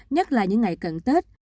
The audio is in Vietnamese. nhất là những ngày cận tết